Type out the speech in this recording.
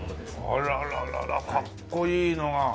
あららららかっこいいのが。